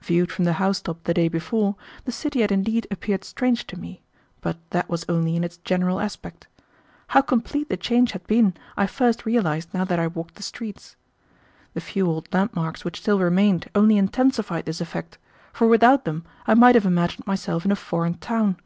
Viewed from the house top the day before, the city had indeed appeared strange to me, but that was only in its general aspect. How complete the change had been I first realized now that I walked the streets. The few old landmarks which still remained only intensified this effect, for without them I might have imagined myself in a foreign town.